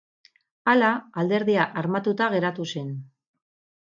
Hala, Alderdia armatuta geratu zen.